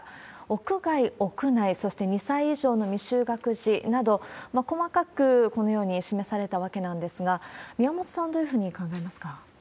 屋外、屋内、そして２歳以上の未就学児など、細かくこのように示されたわけなんですが、宮本さん、どういうふうに考えますか。